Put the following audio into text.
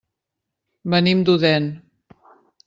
Venim d'Odèn.